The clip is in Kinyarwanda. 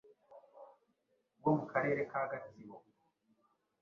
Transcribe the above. wo mu Karere ka Gatsibo,